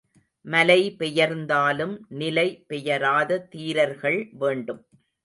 மலைபெயர்ந்தாலும் நிலை பெயராத தீரர்கள் வேண்டும்.